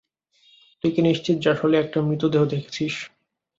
তুই কি নিশ্চিত যে আসলেই একটা মৃতদেহ দেখেছিস?